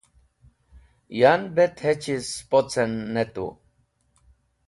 Yan bet hechchiz spocen ne tu.